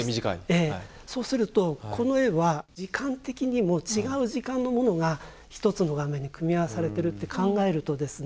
ええそうするとこの絵は時間的にも違う時間のものが１つの画面に組み合わされてるって考えるとですね